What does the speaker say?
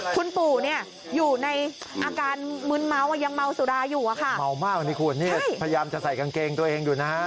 คุณปู่เนี่ยอยู่ในอาการมืนเมาอ่ะยังเมาสุราอยู่อะค่ะเมามากนี่คุณนี่พยายามจะใส่กางเกงตัวเองอยู่นะฮะ